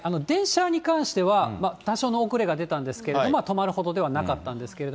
電車に関しては、多少の遅れが出たんですけれども、止まるほどではなかったんです